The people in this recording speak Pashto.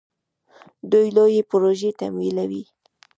دوی لویې پروژې تمویلوي.